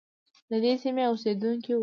ددې سیمې اوسیدونکی وو.